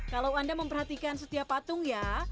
kalau anda memperhatikan setiap patung ya